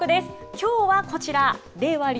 きょうはこちら、令和流！